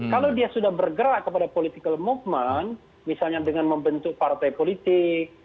kalau dia sudah bergerak kepada political movement misalnya dengan membentuk partai politik